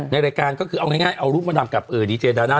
ในรายการก็คือเอาง่ายเอารูปมาดำกับดีเจดาน่า